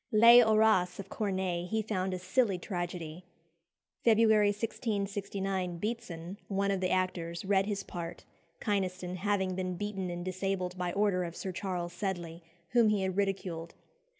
"Les Horaces" of Corneille he found "a silly tragedy." February 1669 Beetson, one of the actors, read his part, Kynaston having been beaten and disabled by order of Sir Charles Sedley, whom he had ridiculed.